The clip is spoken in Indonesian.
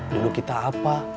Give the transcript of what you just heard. dulu kita apa